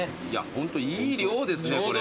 ホントいい量ですねこれ。